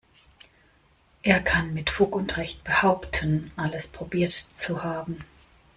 Er kann mit Fug und Recht behaupten, alles probiert zu haben.